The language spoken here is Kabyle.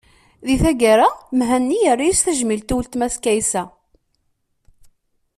Di taggara, Mhenni yerra-as tajmilt i weltma-s Kaysa.